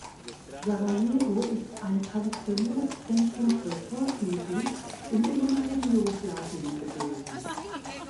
Sarajevo ist ein traditionelles Zentrum für Folkmusik im ehemaligen Jugoslawien gewesen.